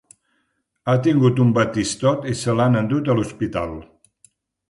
Ha tingut un batistot i se l'han endut a l'hospital.